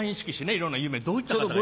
いろんな有名などういった方が？